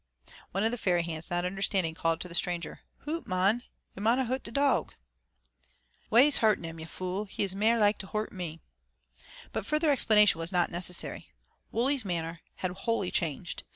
One of the ferry hands not understanding, called to the stranger, "Hoot mon, ye maunna hort oor dawg." "Whaes hortin 'im, ye fule; he is mair like to hort me." But further explanation was not necessary. Wully's manner had wholly changed.